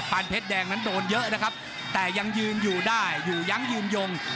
เพชรแดงนั้นโดนเยอะนะครับแต่ยังยืนอยู่ได้อยู่ยังยืนยง